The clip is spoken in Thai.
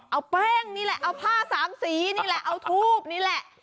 เอาแป้งนี่แหละเอาผ้าสามสีนี่แหละเอาทูบนี่แหละ